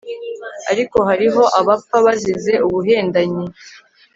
ariko hariho abapfa bazize ubuhendanyi